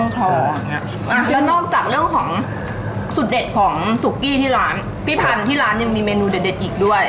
พี่ธรรมที่ร้านยังมีเมนูเด็ดอีกด้วย